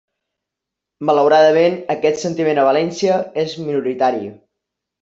Malauradament, aquest sentiment a València és minoritari.